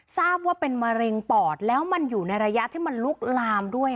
ทราบว่าเป็นมะเร็งปอดแล้วมันอยู่ในระยะที่มันลุกลามด้วย